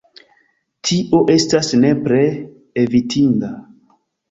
Tio estas nepre evitinda.